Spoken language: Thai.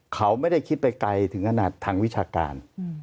เขาไม่ได้คิดไปไกลถึงขนาดทางวิชาการ